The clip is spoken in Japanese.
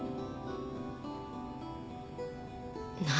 何？